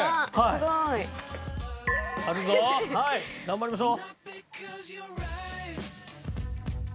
頑張りましょう！